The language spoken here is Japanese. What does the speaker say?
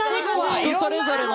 人それぞれの。